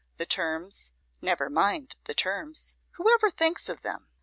The terms; never mind the terms, who ever thinks of them?